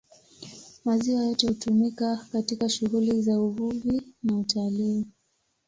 Maziwa yote hutumika katika shughuli za Uvuvi na Utalii